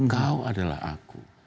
kau adalah aku